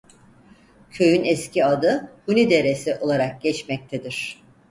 Köyün eski adı Hunideresi olarak geçmektedir.